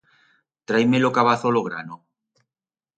Trai-me lo cabazo lo grano.